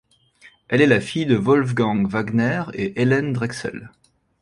Elle est la fille de Wolfgang Wagner et Ellen Drexel.